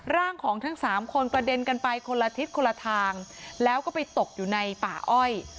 ร่างของทั้งสามคนกระเด็นกันไปคนละทิศคนละทางแล้วก็ไปตกอยู่ในป่าอ้อย